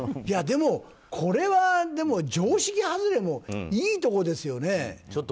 でも、これは常識外れもいいところですよね。